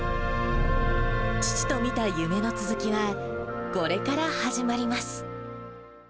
父と見た夢の続きは、これから始まります。